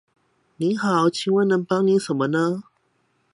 你好，請問能幫你什麼?